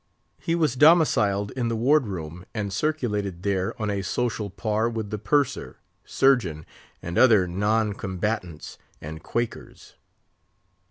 He was domiciled in the Ward room, and circulated there on a social par with the Purser, Surgeon, and other non combatants and Quakers.